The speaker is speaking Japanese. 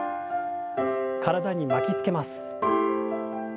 体に巻きつけます。